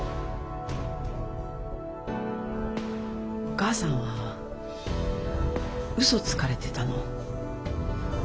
お母さんは嘘つかれてたの。